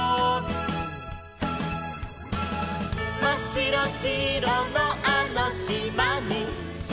「まっしろしろのあのしまに」